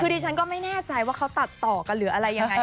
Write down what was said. คือดิฉันก็ไม่แน่ใจว่าเขาตัดต่อกันหรืออะไรยังไง